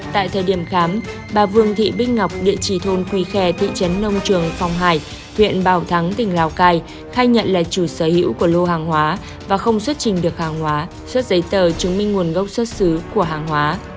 tại thời điểm khám bà vương thị bích ngọc địa chỉ thôn quỳ khe thị trấn nông trường phong hải huyện bảo thắng tỉnh lào cai khai nhận là chủ sở hữu của lô hàng hóa và không xuất trình được hàng hóa xuất giấy tờ chứng minh nguồn gốc xuất xứ của hàng hóa